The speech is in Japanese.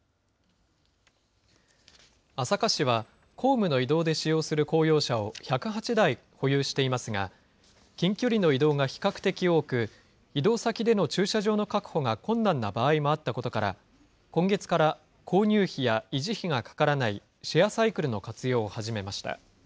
朝霞市は、公務の移動で使用する公用車を１０８台保有していますが、近距離の移動が比較的多く、移動先での駐車場の確保が困難な場合もあったことから、今月から購入費や維持費がかからないシェアサイクルの活用を始めました。